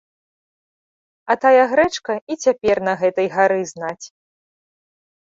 А тая грэчка і цяпер на гэтай гары знаць.